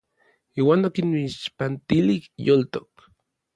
Iuan okinmixpantilij yoltok.